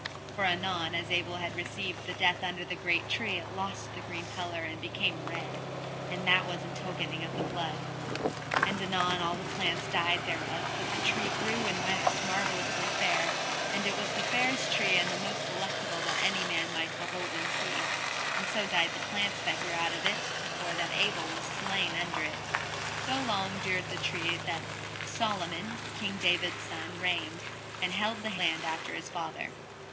For anon as Abel had received the death under the green tree, it lost the green colour and became red; and that was in tokening of the blood. And anon all the plants died thereof, but the tree grew and waxed marvellously fair, and it was the fairest tree and the most delectable that any man might behold and see; and so died the plants that grew out of it to fore that Abel was slain under it. So long dured the tree till that Solomon, King David's son, reigned, and held the land after his father.